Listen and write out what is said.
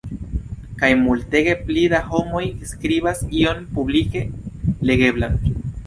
Kaj multege pli da homoj skribas ion publike legeblan.